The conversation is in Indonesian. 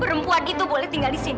perempuan itu boleh tinggal disini